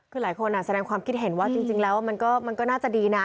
คือหลายคนแสดงความคิดเห็นว่าจริงแล้วมันก็น่าจะดีนะ